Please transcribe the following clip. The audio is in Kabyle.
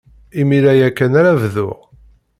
Imir-a ya kan ara bduɣ.